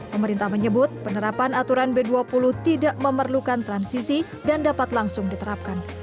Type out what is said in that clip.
pemerintah menyebut penerapan aturan b dua puluh tidak memerlukan transisi dan dapat langsung diterapkan